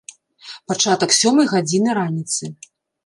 Пачатак сёмай гадзіны раніцы.